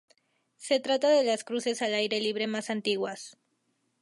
Se trata de las cruces al aire libre más antiguas.